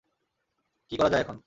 কী করা যায় এখন?